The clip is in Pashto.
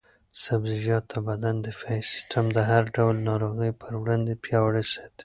سبزیجات د بدن دفاعي سیسټم د هر ډول ناروغیو پر وړاندې پیاوړی ساتي.